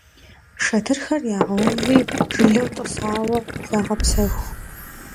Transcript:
Шэтырхэр ягъэуври жылэу тӀысауэ загъэпсэху.